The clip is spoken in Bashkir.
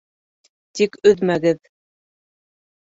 Тик өҙмәгеҙ!..